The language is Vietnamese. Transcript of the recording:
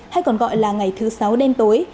hay còn gọi là ngày thứ sáu đêm tối